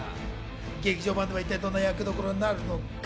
劇場版では一体どんな役どころになるのか？